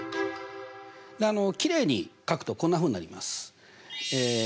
きれいに書くとこんなふうになります。